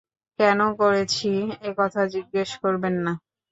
কেন করেছি, একথা জিজ্ঞেস করবেন না।